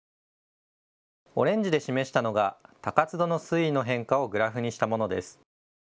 オレンジで示したのが高津戸の水位の変化をグラフにしたものです。